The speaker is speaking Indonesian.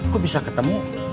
kok bisa ketemu